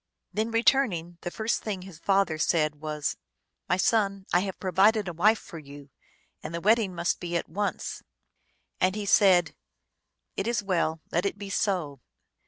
Then returning, the first thing his father said was, " My son, I have provided a wife for you, and the wedding must be at once." And he said, " It is well. Let it be so."